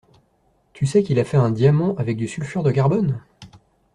Tu sais qu'il a fait un diamant avec du sulfure de carbone?